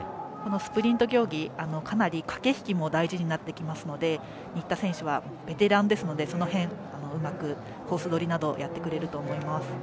スプリント競技かなり駆け引きも大事になってきますので新田選手はベテランですのでその辺、うまくコース取りなどをやってくれると思います。